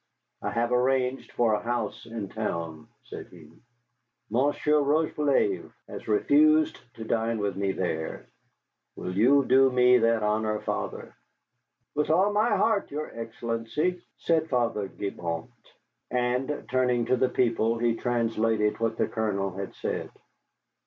"I have arranged for a house in town," said he. "Monsieur Rocheblave has refused to dine with me there. Will you do me that honor, Father?" "With all my heart, your Excellency," said Father Gibault. And turning to the people, he translated what the Colonel had said.